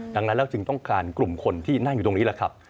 ดังนั้นถ้างานกลุ่มคนที่นั่งอยู่ที่นี่